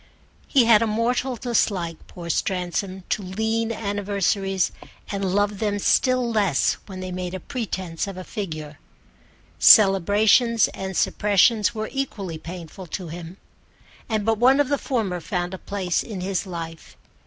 He had a mortal dislike, poor Stransom, to lean anniversaries, and loved them still less when they made a pretence of a figure. Celebrations and suppressions were equally painful to him, and but one of the former found a place in his life.